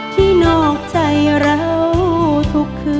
ที่นอกใจเราทุกคืน